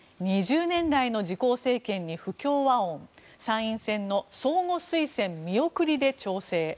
１２０年来の自公政権に不協和音参院選の相互推薦見送りで調整。